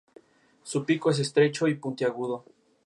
Se encargó luego de personajes como "Hawkman" y "The Black Pirate".